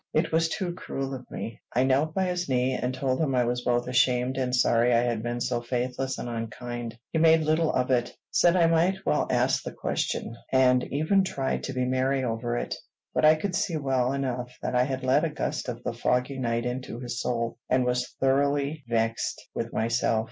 It was too cruel of me. I knelt by his knee, and told him I was both ashamed and sorry I had been so faithless and unkind. He made little of it, said I might well ask the question, and even tried to be merry over it; but I could see well enough that I had let a gust of the foggy night into his soul, and was thoroughly vexed with myself.